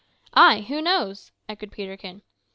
"Ay, who knows?" echoed Peterkin.